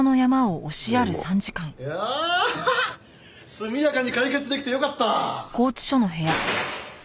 速やかに解決できてよかった。